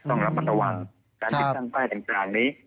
ต้องรับตระหว่างการพิกัดตั้งต่างนี้